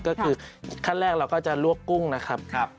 ก็คือขั้นแรกเราก็จะลวกกุ้งนะครับ